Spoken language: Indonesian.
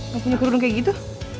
gak punya kerudung kayak gitu